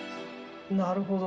なるほど。